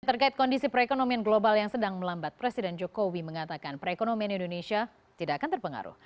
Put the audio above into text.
terkait kondisi perekonomian global yang sedang melambat presiden jokowi mengatakan perekonomian indonesia tidak akan terpengaruh